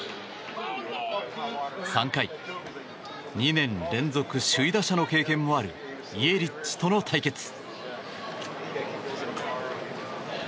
３回、２年連続首位打者の経験もあるイエリッチとの対決。